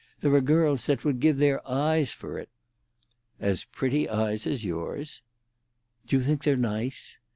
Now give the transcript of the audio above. There are girls that would give their eyes for it." "As pretty eyes as yours?" "Do you think they're nice?"